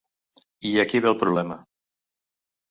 I aquí ve el problema.